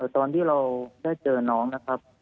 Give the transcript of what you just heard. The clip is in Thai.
ตอนที่เราได้เจอน้องนะครับ